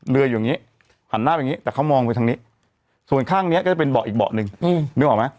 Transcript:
อยู่อย่างนี้หันหน้าไปอย่างนี้แต่เขามองไปทางนี้ส่วนข้างนี้ก็จะเป็นเบาะอีกเบาะหนึ่งนึกออกไหม